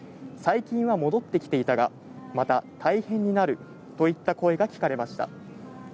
最近は戻ってきていたが、また大変になるといった声が聞かれました。